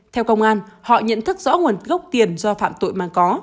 theo công an họ nhận thức rõ nguồn gốc tiền do phạm tội mà có